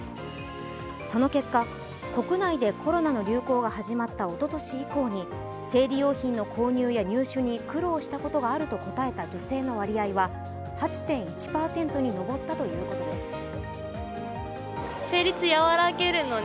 その結果、国内でコロナの流行が始まったおととし以降に生理用品の購入や入手に苦労したことがあると答えた女性の割合は８．１％に上ったということです。